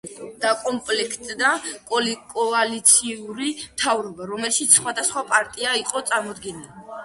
დაკომპლექტდა კოალიციური მთავრობა, რომელშიც სხვადასხვა პარტია იყო წარმოდგენილი.